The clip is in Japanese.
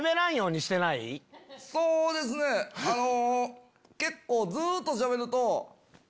そうですねあの。